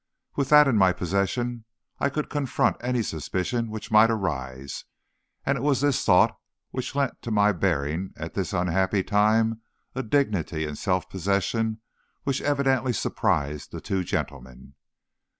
With that in my possession, I could confront any suspicion which might arise, and it was this thought which lent to my bearing at this unhappy time a dignity and self possession which evidently surprised the two gentlemen.